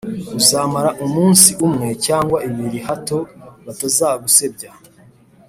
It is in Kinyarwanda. uzamare umunsi umwe cyangwa ibiri hato batazagusebya,